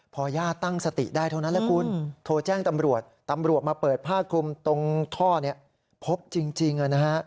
พอยาตั้งสติได้ทั้งนั้นละคุณโทรแจ้งตำรวจมาเปิดผ้าคลุมตรงท่อนี้พบจริงแล้วนะฮะ